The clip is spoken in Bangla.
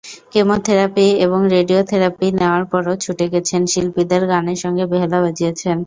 কেমোথেরাপি এবং রেডিওথেরাপি নেওয়ার পরও ছুটে গেছেন, শিল্পীদের গানের সঙ্গে বেহালা বাজিয়েছেন।